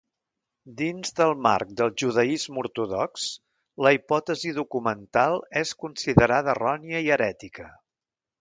Dins del marc del judaisme ortodox, la hipòtesi documental és considerada errònia i herètica.